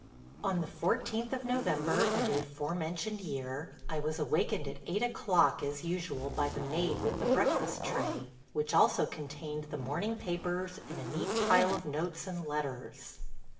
On the 14th of November of the aforementioned year, I was awakened at eight o'clock as usual by the maid with the breakfast tray – which also contained the morning papers and a neat pile of notes and letters.